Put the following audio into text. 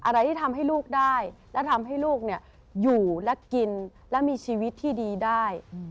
อะไรที่ทำให้ลูกได้และทำให้ลูกอยู่และกินและมีชีวิตที่ดีได้